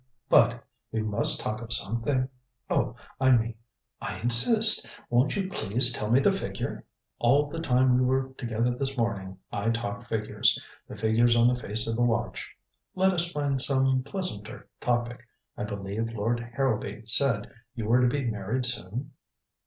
"But we must talk of something oh, I mean I insist. Won't you please tell me the figure?" "All the time we were together this morning, I talked figures the figures on the face of a watch. Let us find some pleasanter topic. I believe Lord Harrowby said you were to be married soon?"